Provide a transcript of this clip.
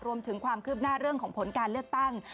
รวมถึงความคืบหน้าเรื่องของผลการเลือกตั้ง